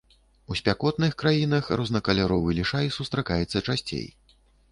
У спякотных краінах рознакаляровы лішай сустракаецца часцей.